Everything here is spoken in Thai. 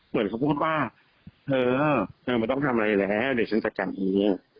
เหมือนเขาพูดว่าเธอเธอไม่ต้องทำอะไรแล้วเดี๋ยวฉันจัดการเอง